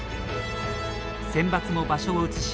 センバツも場所を移し